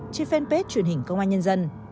trên fanpage truyền hình công an nhân dân